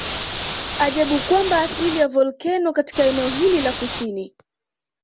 Ajabu kwamba asili ya volkeno katika eneo hili la kusini